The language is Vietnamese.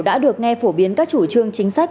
đã được nghe phổ biến các chủ trương chính sách